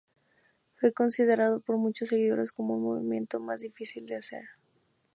Fue considerado por muchos seguidores como un movimiento más difícil de hacer.